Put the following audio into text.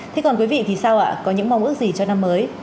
thế còn quý vị thì sao ạ có những mong ước gì cho năm mới